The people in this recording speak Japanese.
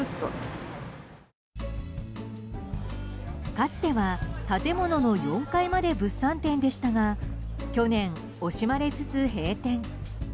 かつては建物の４階まで物産展でしたが去年、惜しまれつつ閉店。